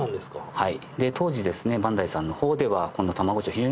はい。